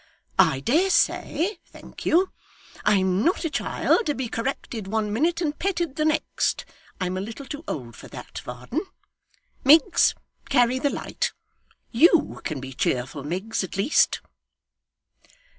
'I dare say thank you! I'm not a child to be corrected one minute and petted the next I'm a little too old for that, Varden. Miggs, carry the light. YOU can be cheerful, Miggs, at least.